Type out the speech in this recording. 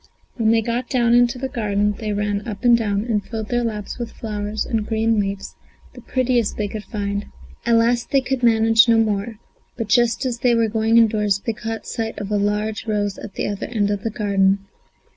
When they got down into the garden they ran up and down, and filled their laps with flowers and green leaves, the prettiest they could find. At last they could manage no more, but just as they were going indoors they caught sight of a large rose at the other end of the garden.